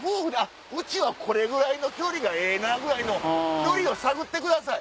うちこの距離がええな！ぐらいの距離を探ってください。